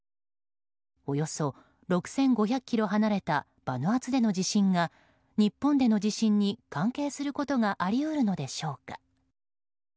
およそ６５００ｋｍ離れたバヌアツでの地震が日本での地震に関係することがあり得るのでしょうか？